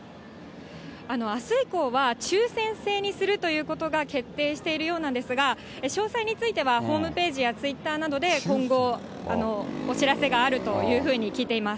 あす以降は、抽せん制にするということが決定しているようなんですが、詳細については、ホームページやツイッターなどで今後、お知らせがあるというふうに聞いています。